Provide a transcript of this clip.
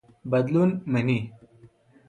بدلون مني.